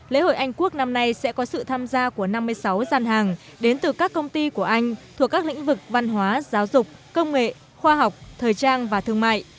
lễ hội anh quốc năm nay sẽ có sự tham gia của năm mươi sáu gian hàng đến từ các công ty của anh thuộc các lĩnh vực văn hóa giáo dục công nghệ khoa học thời trang và thương mại